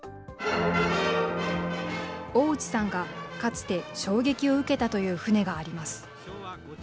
大内さんがかつて衝撃を受けたという船があります。